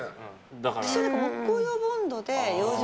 私は木工用ボンドで養生